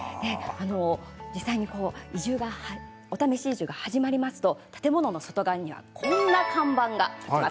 実際にお試し移住が始まりますと建物の外側にはこんな看板が。